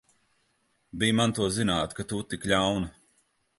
Bij man to zināt, ka tu tik ļauna!